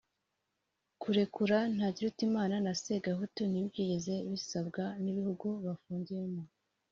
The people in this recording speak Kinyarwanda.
Kurekura Ntakirutimana na Sagahatu ntibyigeze bisabwa n’ibihugu bafungiyemo